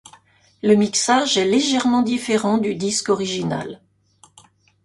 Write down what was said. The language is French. Le mixage est légèrement différent du disque original.